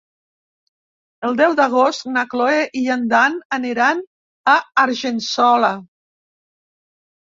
El deu d'agost na Cloè i en Dan aniran a Argençola.